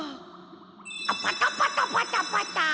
パタパタパタパタ！